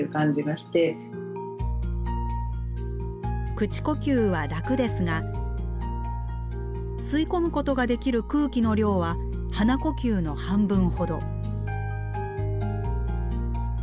口呼吸は楽ですが吸い込むことができる空気の量は鼻呼吸の半分ほど。